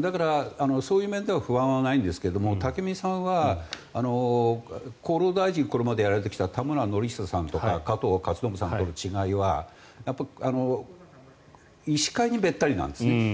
だから、そういう面では不安はないですが武見さんは厚労大臣厚労大臣これまでやられてきた田村憲久さんとか加藤勝信さんとの違いは医師会にべったりなんです。